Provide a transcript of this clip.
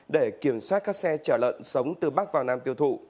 để kiểm soát các xe chở lợn sống từ bắc vào nam tiêu thụ